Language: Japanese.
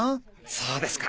そうですか。